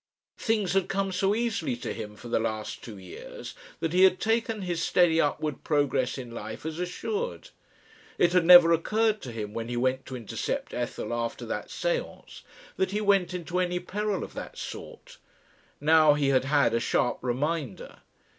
Things had come so easily to him for the last two years that he had taken his steady upward progress in life as assured. It had never occurred to him, when he went to intercept Ethel after that séance, that he went into any peril of that sort. Now he had had a sharp reminder.